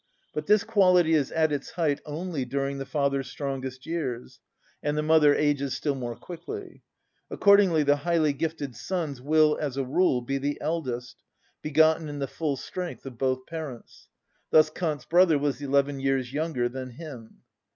But this quality is at its height only during the father's strongest years; and the mother ages still more quickly. Accordingly the highly gifted sons will, as a rule, be the eldest, begotten in the full strength of both parents; thus Kant's brother was eleven years younger than him.